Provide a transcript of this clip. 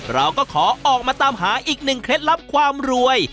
เราก็ขอออกมาตามหาอีกหนึ่งเคล็ดลับความรวย